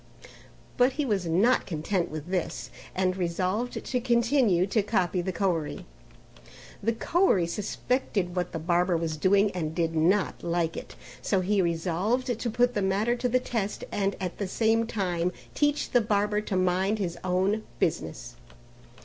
But he was not content with this and resolved to continue to copy the Koeri; the Koeri suspected what the barber was doing and did not like it. So he resolved to put the matter to the test and at the same time teach the barber to mind his own business.